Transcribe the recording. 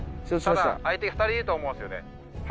ただ相手２人いると思うんですよね。